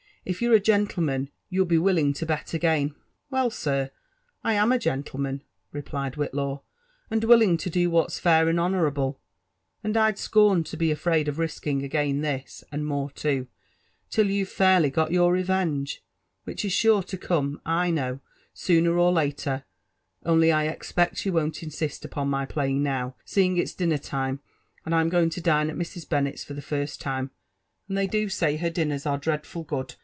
If youVe a gonlJemaD, you'Jl be willing to bet again." Well, sir, I am a gentleman/* replied Whillaw, *' and willing i» do what's .fair and honourable; and Td scorn to be afraid of risliing again this, and more too, (ill youVe fairly got your reyenge, which fa sure (ocome, I know, sooner orlaler ; only I expect you won^t insist upon my playing now, seeing it s dlnner*liroe, and I'm going to dine at Mrs. Rennet's for the first lime ; and they do say her dinners are dreadful good.